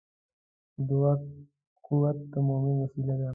د دعا قوت د مؤمن وسله ده.